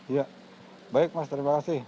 ya baik mas terima kasih